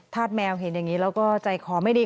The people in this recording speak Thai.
แมวเห็นอย่างนี้แล้วก็ใจคอไม่ดี